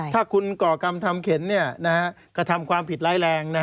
ถ้าคุณก่อกรรมทำเข็นกระทำความผิดร้ายแรง